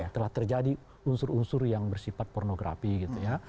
telah terjadi unsur unsur yang bersifat pornografi gitu ya